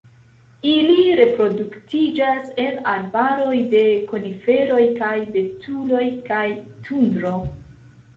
Ili reproduktiĝas en arbaroj de koniferoj kaj betuloj kaj tundro.